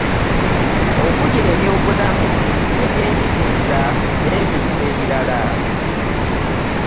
Okuli ebyobulamu, ebyenjigiriza n'ebintu ebirala.